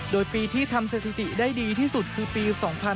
โดยปีที่ทำสถิติได้ดีที่สุดคือปี๒๕๖๒